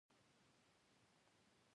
ټول ښوونځي روخصت شوي دي